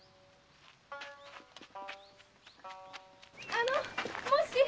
あのもし！